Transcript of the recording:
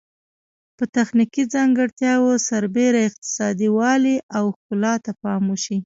پر تخنیکي ځانګړتیاوو سربیره اقتصادي والی او ښکلا ته پام وشي.